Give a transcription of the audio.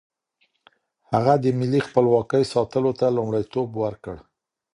هغه د ملي خپلواکۍ ساتلو ته لومړیتوب ورکړ.